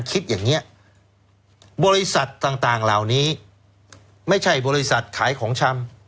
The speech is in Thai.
คิดอย่างนี้บริษัทต่างเหล่านี้ไม่ใช่บริษัทขายของชำ